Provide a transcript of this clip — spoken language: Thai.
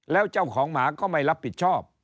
แล้วเจ้าของหมาก็ไม่รับผิดชอบ